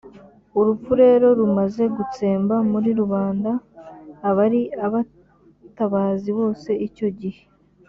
urupfu rero rumaze gutsemba muri rubanda abari abatabazi bose icyo gihe